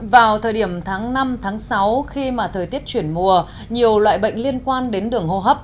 vào thời điểm tháng năm tháng sáu khi mà thời tiết chuyển mùa nhiều loại bệnh liên quan đến đường hô hấp